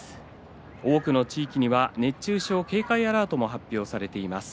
多くの地域には熱中症警戒アラートも発表されています。